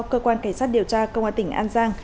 cơ quan cảnh sát điều tra công an tỉnh an giang